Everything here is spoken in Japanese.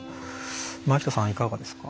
前北さん、いかがですか？